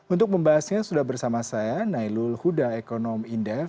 untuk membahasnya sudah bersama saya nailul huda ekonom indef